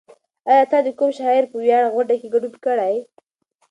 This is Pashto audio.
ایا ته د کوم شاعر په ویاړ غونډه کې ګډون کړی؟